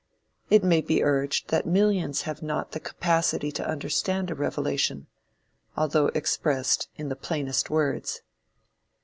It may be urged that millions have not the capacity to understand a revelation, although expressed in the plainest words.